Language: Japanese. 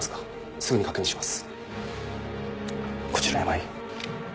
すぐに確認します。